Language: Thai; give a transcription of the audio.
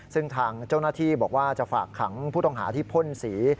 ซึ่งทางเจ้าหน้าที่บอกว่าจะฝากขังผู้ต้องหาที่พ่นสี